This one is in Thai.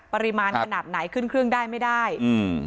ปริมาณขนาดไหนขึ้นเครื่องได้ไม่ได้อืม